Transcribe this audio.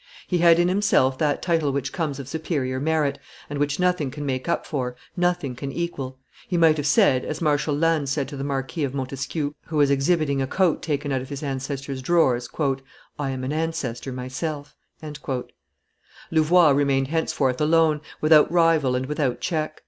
He had in himself that title which comes of superior merit, and which nothing can make up for, nothing can equal. He might have said, as Marshal Lannes said to the Marquis of Montesquieu, who was exhibiting a coat taken out of his ancestors' drawers, "I am an ancestor myself." Louvois remained henceforth alone, without rival and without check.